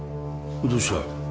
どうした？